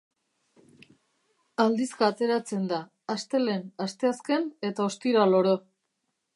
Aldizka ateratzen da, astelehen, asteazken eta ostiral oro.